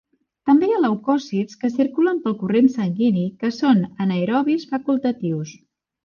També hi ha leucòcits que circulen pel corrent sanguini que són anaerobis facultatius.